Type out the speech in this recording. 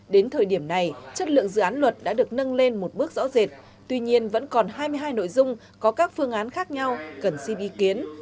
đến thời điểm này chất lượng dự án luật đã được nâng lên một bước rõ rệt tuy nhiên vẫn còn hai mươi hai nội dung có các phương án khác nhau cần xin ý kiến